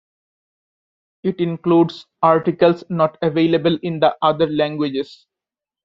It includes articles not available in the other languages.